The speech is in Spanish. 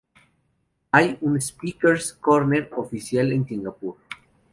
Hay un Speakers' Corner oficial en Singapur.